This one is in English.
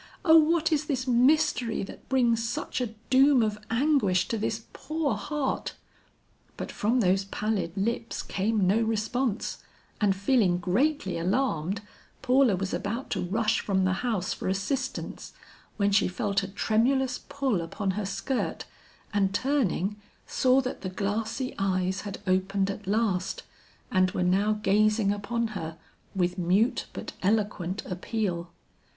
O what is this mystery that brings such a doom of anguish to this poor heart?" But from those pallid lips came no response, and feeling greatly alarmed, Paula was about to rush from the house for assistance, when she felt a tremulous pull upon her skirt, and turning, saw that the glassy eyes had opened at last and were now gazing upon her with mute but eloquent appeal.